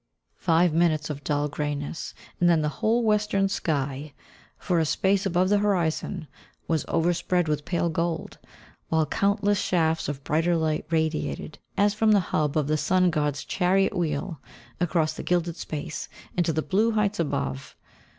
Five minutes of dull greyness, and then the whole western sky, for a space above the horizon, was overspread with pale gold, while countless shafts of brighter light radiated, as from the hub of the Sun God's chariot wheel, across the gilded space, into the blue heights above.